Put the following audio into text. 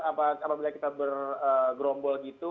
apabila kita bergerombol gitu